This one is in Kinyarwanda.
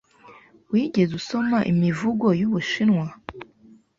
Wigeze usoma imivugo y'Ubushinwa?